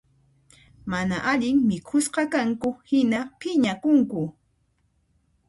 Mana allin mikhusqakanku hina phiñakunku